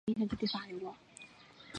有子孔昭俭。